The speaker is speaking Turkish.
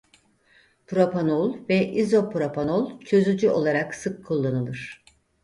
Propanol ve izopropanol çözücü olarak sık kullanılır.